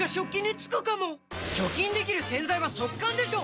除菌できる洗剤は速乾でしょ！